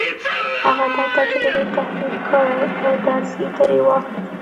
هغه دا تجربې تحليل کړې او درس يې ترې واخيست.